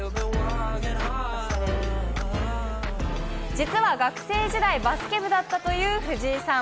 実は学生時代、バスケ部だったという藤井さん。